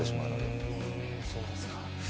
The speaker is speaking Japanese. そうですか。